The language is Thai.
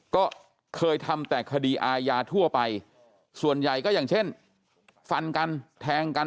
ก็เคยทำแต่คดีอาญาทั่วไปส่วนใหญ่ก็อย่างเช่นฟันกันแทงกัน